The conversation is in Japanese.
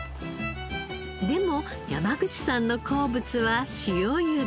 でも山口さんの好物は塩ゆで。